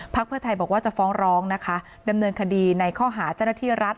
เพื่อไทยบอกว่าจะฟ้องร้องนะคะดำเนินคดีในข้อหาเจ้าหน้าที่รัฐ